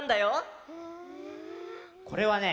これはね